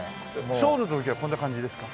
ソウルの時はこんな感じですか？